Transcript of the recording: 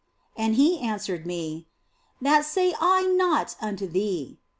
" And He answered me, " That say I not unto thee."